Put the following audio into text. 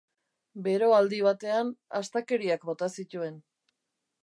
Beroaldi batean astakeriak bota zituen.